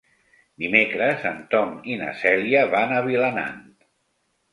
Dimecres en Tom i na Cèlia van a Vilanant.